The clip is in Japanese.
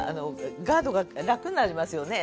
ガードが楽になりますよね。